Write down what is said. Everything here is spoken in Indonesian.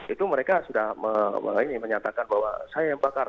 itu mereka sudah menyatakan bahwa saya yang bakar